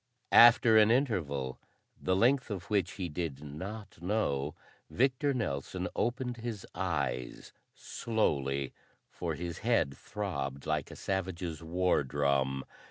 After an interval, the length of which he did not know, Victor Nelson opened his eyes slowly, for his head throbbed like a savage's war drum.